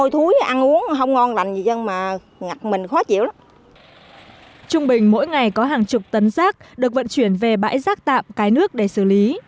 trung bình mỗi ngày có hàng chục tấn rác được vận chuyển về bãi rác tạm cái nước để xử lý